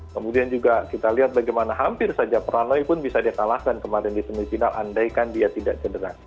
kemudian juga kita lihat bagaimana hampir saja pranoy pun bisa dia kalahkan kemarin di semifinal andaikan dia tidak cedera